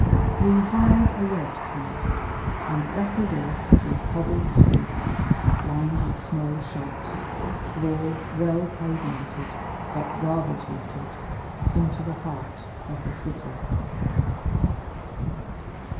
We hired a red cab, and rattled off through cobbled streets, lined with small shops, broad, well pavemented but garbage littered, into the heart of the city.